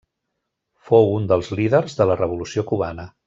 Fou un dels líders de la Revolució Cubana.